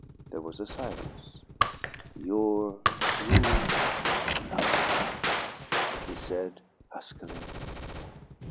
There was a silence. "Your true lover," he said huskily.